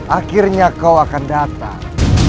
akhirnya kau akan datang